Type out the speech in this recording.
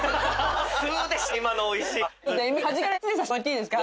いいですか？